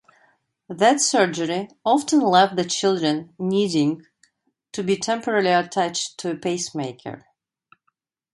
That surgery often left the children needing to be temporarily attached to a pacemaker.